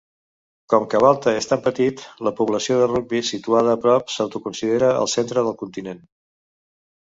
Com que Balta és tan petit, la població de Rugby, situada a prop, s'autoconsidera el centre del continent.